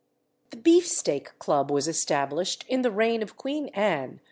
The Beef steak Club was established in the reign of Queen Anne (before 1709).